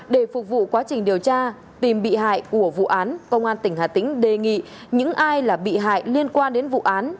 để phục vụ quá trình điều tra tìm bị hại của vụ án công an tỉnh hà tĩnh đề nghị những ai là bị hại liên quan đến vụ án